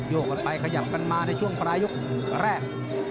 ยกต่อไปขยับกันมาในช่วงปลายกรุ่งแรก